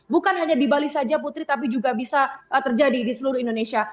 bukan hanya di bali saja putri tapi juga bisa terjadi di seluruh indonesia